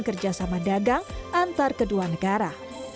kerjasama dagang antar kedua negara